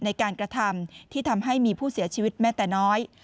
ในการกระทำที่ทำให้มีผู้เสียชีวิตแม้แต่น้อย